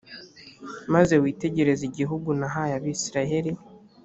maze witegereze igihugu nahaye abayisraheli.